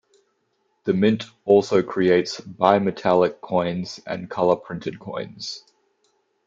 The mint also creates bi-metallic coins, and colour printed coins.